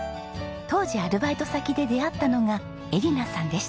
当時アルバイト先で出会ったのが恵梨奈さんでした。